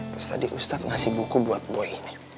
terus tadi ustadz ngasih buku buat boy